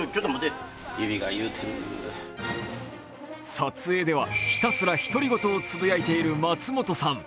撮影ではひたすら独り言をつぶやいている松本さん。